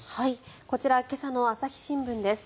こちら今朝の朝日新聞です。